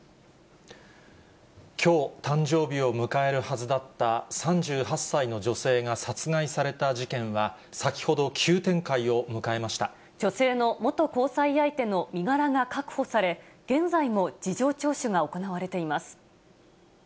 きょう、誕生日を迎えるはずだった３８歳の女性が殺害された事件は、先ほど、女性の元交際相手の身柄が確保され、現在も事情聴取が行われています。